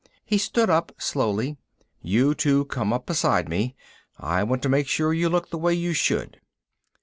He stood up slowly. "You two come up beside me. I want to make sure you look the way you should."